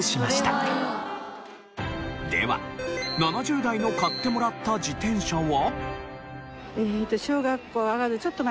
では７０代の買ってもらった自転車は。